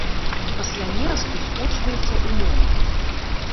Пасля нерасту скочваецца ў мора.